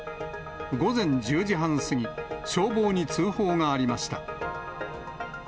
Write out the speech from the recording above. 午前１０時半過ぎ、消防に通報がありました。